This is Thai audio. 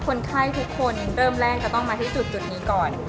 คนไข้ทุกคนเริ่มแรกจะต้องมาที่จุดนี้ก่อน